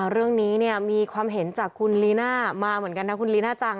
เรื่องนี้มีความเห็นจากคุณลีน่ามาเหมือนกันนะคุณลีน่าจัง